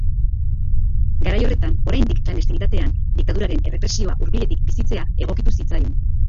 Garai horretan, oraindik klandestinitatean, diktaduraren errepresioa hurbiletik bizitzea egokitu zitzaion.